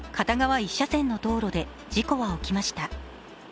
１車線の道路で事故は起きました。